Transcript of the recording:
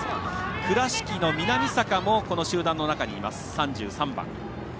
倉敷の南坂もこの集団の中にいます、３３番。